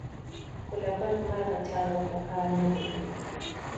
خو له بدمرغه چا ورته کار نه دى کړى